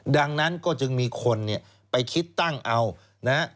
ดังนั้นก็จึงมีคนเนี่ยไปคิดตั้งเอานะฮะ